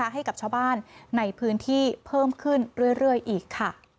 ให้กับชาวบ้านในพื้นที่เพิ่มขึ้นเรื่อยอีกค่ะ